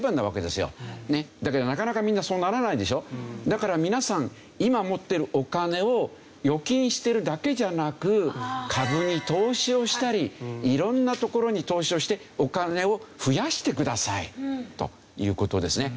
だから皆さん今持ってるお金を預金してるだけじゃなく株に投資をしたり色んなところに投資をしてお金を増やしてくださいという事ですね。